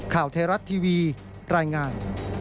ข่าวไทยรัฐทีวีรายงาน